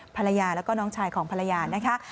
ภรรยาแล้วก็น้องชายของภรรยานะคะ